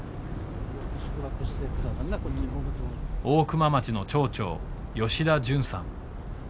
大熊町の町長吉田淳さん。